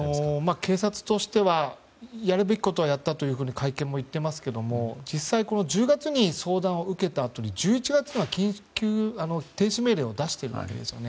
警察としてはやるべきことはやったと会見でも言っていますが実際に相談を受けたあとに１１月に禁止命令を出しているわけですよね。